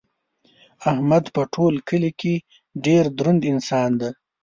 احمد په ټول کلي کې ډېر دروند انسان دی.